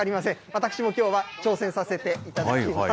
私もきょうは挑戦させていただきます。